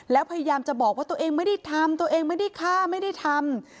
แล้วพยายามจะบอกว่าตัวเองไม่ได้ทำตัวเองไม่ได้ฆ่าไม่ได้ทำ